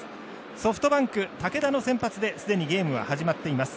ソフトバンク、武田の先発ですでにゲームは始まっています。